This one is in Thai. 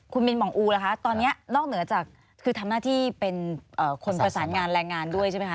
คุณมินหมองอูล่ะคะตอนนี้นอกเหนือจากคือทำหน้าที่เป็นคนประสานงานแรงงานด้วยใช่ไหมค